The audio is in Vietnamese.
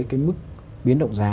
cái mức biến động giá